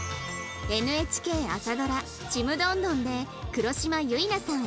ＮＨＫ 朝ドラ『ちむどんどん』で黒島結菜さん